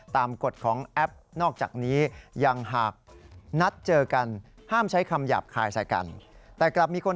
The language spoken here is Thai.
ตามกฎของแอปนอกจากนี้